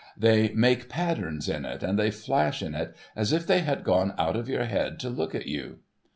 They make patterns in it, and they flash in it, as if they had gone out of your head to look at you.